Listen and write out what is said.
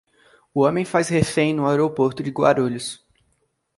Homem faz refém no aeroporto de Guarulhos